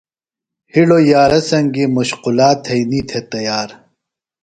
ہِڑوۡ یارہ سنگیۡ مشقولا تھئنی تھے تیار۔